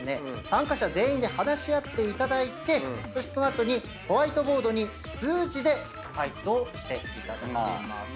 参加者全員で話し合っていただいてその後にホワイトボードに数字で回答していただきます。